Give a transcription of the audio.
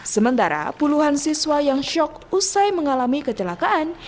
sementara puluhan siswa yang shock usai mengalami kecelakaan